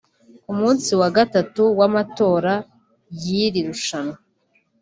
Ku munsi wa gatatu w’amatora y’iri rushanwa